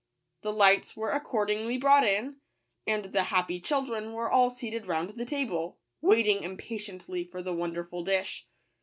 The lights were accordingly brought in ; and the happy chil dren were all seated round the table, waiting impatiently for the wonderful dish.